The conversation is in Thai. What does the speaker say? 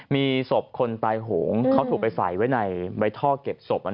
มีศพคนตายโหงเขาถูกไปใส่ไว้ในใบท่อเก็บศพ